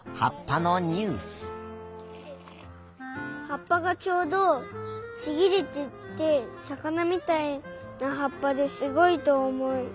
はっぱがちょうどちぎれててさかなみたいなはっぱですごいとおもいました。